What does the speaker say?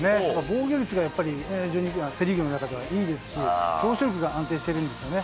防御率がやっぱり、セ・リーグの中ではいいですし、投手力が安定しているんですよね。